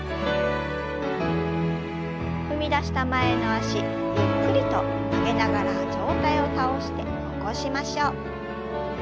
踏み出した前の脚ゆっくりと曲げながら上体を倒して起こしましょう。